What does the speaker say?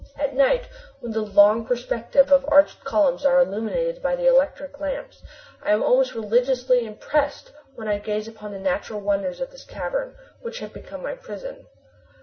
At night when the long perspective of arched columns are illuminated by the electric lamps, I am almost religiously impressed when I gaze upon the natural wonders of this cavern, which has become my prison.